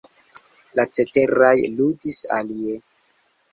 La ceteraj ludis alie.